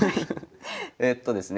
えっとですね